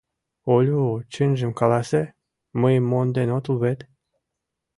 — Олю, чынжым каласе: мыйым монден отыл вет?